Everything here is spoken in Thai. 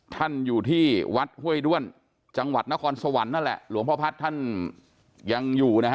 ท่านอยู่ที่วัดห้วยด้วนจังหวัดนครสวรรค์นั่นแหละหลวงพ่อพัฒน์ท่านยังอยู่นะฮะ